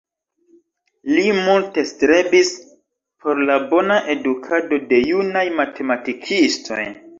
Li multe strebis por la bona edukado de junaj matematikistoj.